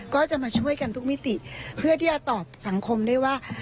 ก็จะมาช่วยกันทุกมิติเพื่อที่จะตอบสังคมได้ว่า